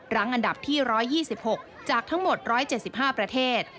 อันดับที่๑๒๖จากทั้งหมด๑๗๕ประเทศ